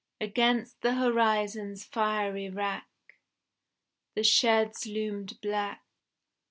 Against the horizon's fiery wrack, The sheds loomed black.